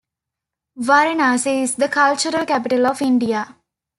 Varanasi is the cultural capital of India.